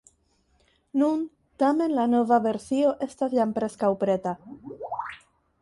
Nun tamen la nova versio estas jam preskaŭ preta.